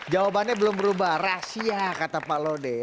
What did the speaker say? jawabannya belum berubah rahasia kata pak lode